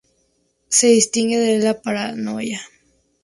Se distingue de la paranoia.